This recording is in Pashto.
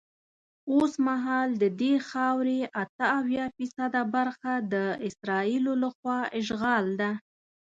اوسمهال ددې خاورې اته اویا فیصده برخه د اسرائیلو له خوا اشغال ده.